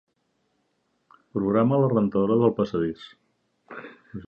Programa la rentadora del passadís.